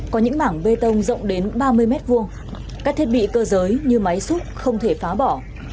có những mảng bê tông rộng đến ba mươi m hai các thiết bị cơ giới như máy xúc không thể phá bỏ